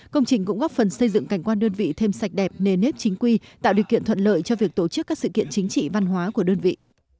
công trình cũng góp phần xây dựng cảnh quan đơn vị thêm sạch đẹp nề nếp chính quy tạo điều kiện thuận lợi cho việc tổ chức các sự kiện chính trị văn hóa của đơn vị